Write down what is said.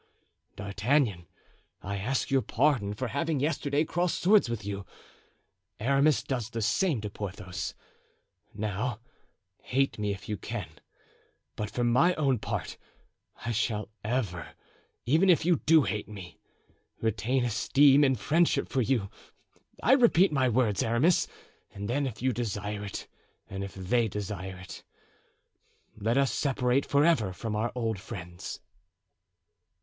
D'Artagnan, I ask your pardon for having yesterday crossed swords with you; Aramis does the same to Porthos; now hate me if you can; but for my own part, I shall ever, even if you do hate me, retain esteem and friendship for you. I repeat my words, Aramis, and then, if you desire it, and if they desire it, let us separate forever from our old friends."